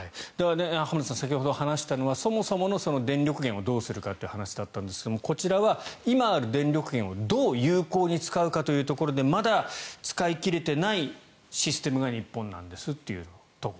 浜田さん先ほど話したのはそもそもの電力源をどうするかという話だったんですがこちらは今ある電力源をどう有効に使うかというところでまだ使い切れていないシステムが日本なんですと。